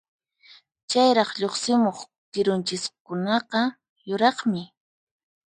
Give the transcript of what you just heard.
Chayraq lluqsimuq kirunchiskunaqa yuraqmi.